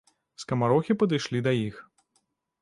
Скамарохі падышлі да іх.